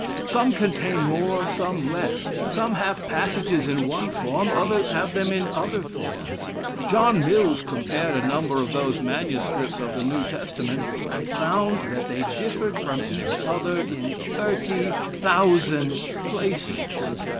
Some contain more, some less. Some have passages in one form, others have them in other forms. John Mills compared a number of those manuscripts of the New Testament, and found that they differed from each other in thirty thousand places.